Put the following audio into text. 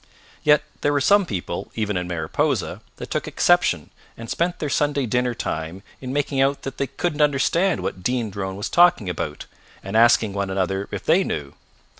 Yet there were some people, even in Mariposa, that took exception and spent their Sunday dinner time in making out that they couldn't understand what Dean Drone was talking about, and asking one another if they knew.